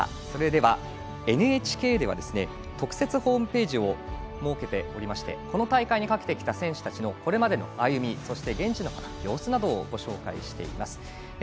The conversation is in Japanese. それでは、ＮＨＫでは特設ホームページを設けておりましてこの大会にかけてきた選手たちのこれまでの歩みそして現地の様子などをご紹介しています。